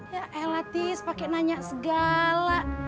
ya elatis pakai nanya segala